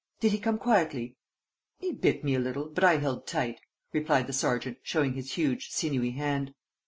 "Did he come quietly?" "He bit me a little, but I held tight," replied the sergeant, showing his huge, sinewy hand.